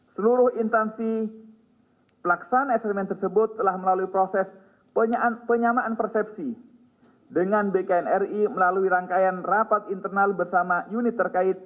seluruh instansi pelaksanaan ekstremen tersebut telah melalui proses penyamaan persepsi dengan bknri melalui rangkaian rapat internal bersama unit terkait